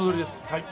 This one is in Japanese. はい！